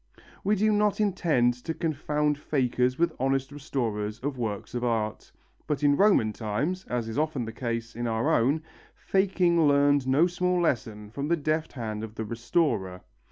We do not intend to confound fakers with honest restorers of works of art, but in Roman times, as is often the case in our own, faking learned no small lesson from the deft hand of the restorer.